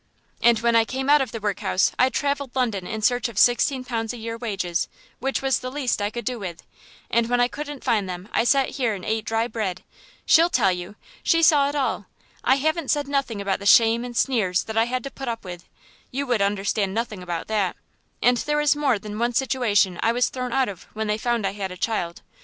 "And when I came out of the workhouse I travelled London in search of sixteen pounds a year wages, which was the least I could do with, and when I didn't find them I sat here and ate dry bread. She'll tell you she saw it all. I haven't said nothing about the shame and sneers I had to put up with you would understand nothing about that, and there was more than one situation I was thrown out of when they found I had a child.